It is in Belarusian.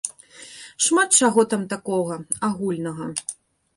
Шмат чаго там такога, агульнага.